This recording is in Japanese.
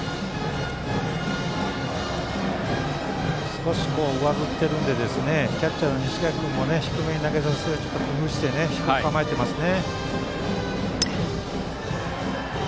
少し上ずっているのでキャッチャーの西垣君も低めに投げさせようと工夫して低く構えていますね。